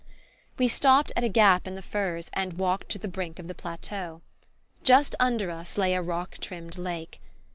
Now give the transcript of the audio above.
We stopped at a gap in the firs and walked to the brink of the plateau. Just under us lay a rock rimmed lake.